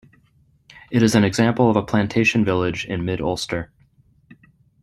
It is an example of a plantation village in Mid-Ulster.